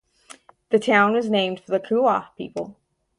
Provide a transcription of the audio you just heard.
The town was named for the Kiowa people.